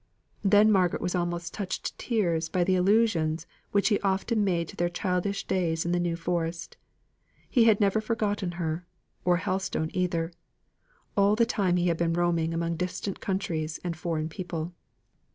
Then Margaret was almost touched into tears by the allusions which he often made to their childish days in the New Forest; he had never forgotten her or Helstone either all the time he had been roaming among distant countries and foreign people.